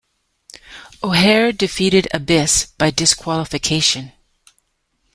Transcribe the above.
O'Haire defeated Abyss by disqualification.